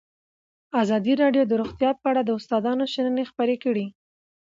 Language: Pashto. ازادي راډیو د روغتیا په اړه د استادانو شننې خپرې کړي.